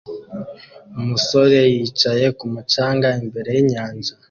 Umusore yicaye kumu canga imbere yinyanja